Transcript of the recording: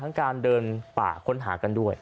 การเดินป่าค้นหากันด้วย